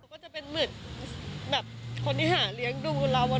ก็จะเป็นเหมือนแบบคนที่หาเลี้ยงดูเรา